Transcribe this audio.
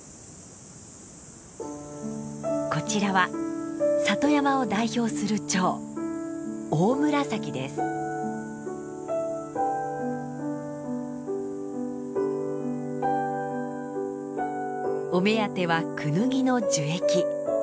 こちらは里山を代表するチョウお目当てはクヌギの樹液。